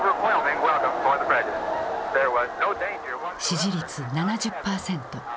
支持率７０％。